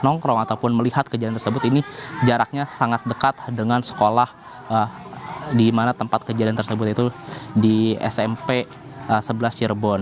nongkrong ataupun melihat kejadian tersebut ini jaraknya sangat dekat dengan sekolah di mana tempat kejadian tersebut itu di smp sebelas cirebon